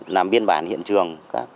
làm biên bản hiện trường